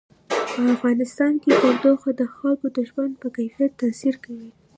په افغانستان کې تودوخه د خلکو د ژوند په کیفیت تاثیر کوي.